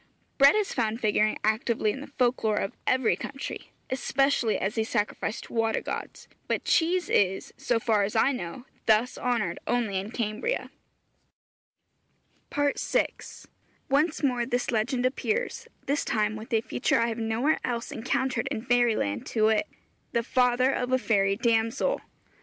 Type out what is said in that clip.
' Bread is found figuring actively in the folk lore of every country, especially as a sacrifice to water gods; but cheese is, so far as I know, thus honoured only in Cambria. FOOTNOTE: 'Merry Wives of Windsor,' Act V., Sc. 5. VI. Once more this legend appears, this time with a feature I have nowhere else encountered in fairy land, to wit, the father of a fairy damsel.